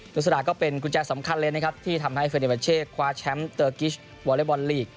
ลักษณะก็เป็นกุญแจสำคัญเลยนะครับที่ทำให้เฟเนเช่คว้าแชมป์เตอร์กิชวอเล็กบอลลีก